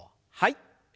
はい。